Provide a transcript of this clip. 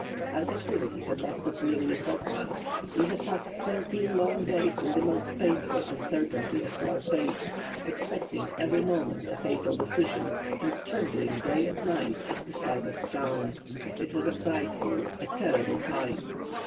"Our captivity had lasted nearly a fortnight: we had passed thirteen long days in the most painful uncertainty as to our fate, expecting every moment a fatal decision, and trembling day and night at the slightest sound. It was a frightful, a terrible time.